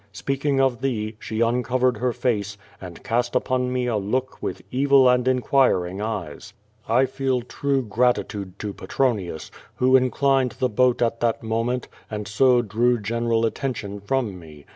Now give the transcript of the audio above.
Speaking of thee, she uncovered her face, and cast upon me a look with evil and inquiring eyes. I feel true gratitude to Petronius, who inclined the boat at that moment, and so drew general attention from me.